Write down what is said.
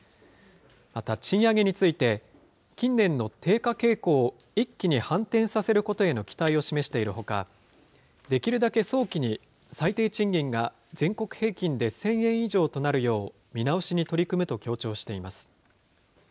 また賃上げについて、近年の低下傾向を一気に反転させることへの期待を示しているほか、できるだけ早期に最低賃金が全国平均で１０００以上となるよう、見直しに取り組むと強調しています。